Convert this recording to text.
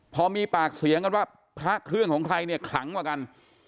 พอมีปากเสียงกันว่าพระเครื่องของใครเนี่ยขลังกว่ากัน